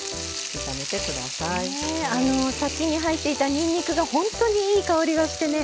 先に入っていたにんにくがほんとにいい香りがしてね。